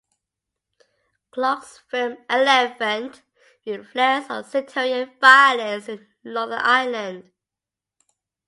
Clarke's film "Elephant" reflects on sectarian violence in Northern Ireland.